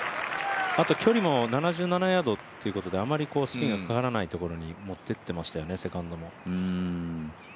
あと、距離も７７ヤードということであまりスピンがかからないところに持っていってましたよね、セカンドも。